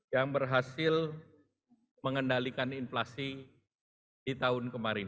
yang berhasil mengendalikan inflasi di tahun kemarin